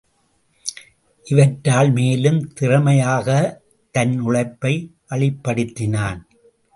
இவற்றால் மேலும் திறமையாகத் தன் உழைப்பை வழிப்படுத்தினான்.